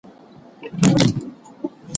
فرد بايد ځان مهم وګڼي.